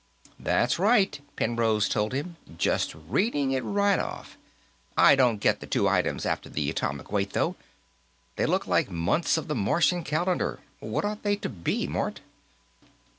"That's right," Penrose told him. "Just reading it right off. I don't get the two items after the atomic weight, though. They look like months of the Martian calendar. What ought they to be, Mort?"